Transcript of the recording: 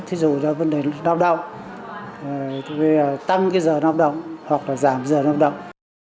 thí dụ là vấn đề nông động tăng cái giờ nông động hoặc là giảm giờ nông động